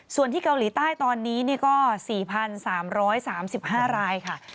ส่วนที่เกาหลีใต้ตอนนี้ก็๔๓๓๕รายค่ะ